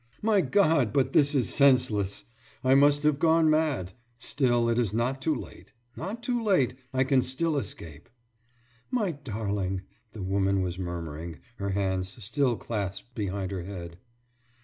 My God, but this is senseless! I must have gone mad! Still it is not too late ... not too late ... I can still escape.« »My darling,« the woman was murmuring, her hands still clasped behind her head.